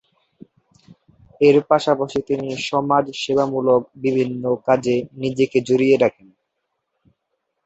এর পাশাপাশি তিনি সমাজ সেবামূলক বিভিন্ন কাজে নিজেকে জড়িয়ে রাখেন।